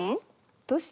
どうして？